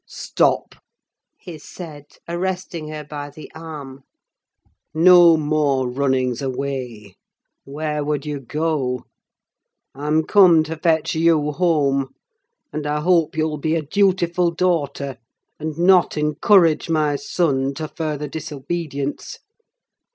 "Stop!" he said, arresting her by the arm. "No more runnings away! Where would you go? I'm come to fetch you home; and I hope you'll be a dutiful daughter and not encourage my son to further disobedience.